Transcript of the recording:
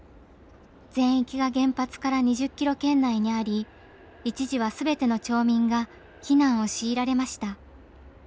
全域が原発から２０ｋｍ圏内にあり一時は全ての町民が避難を強いられました。